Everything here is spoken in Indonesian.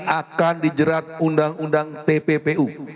akan dijerat undang undang tppu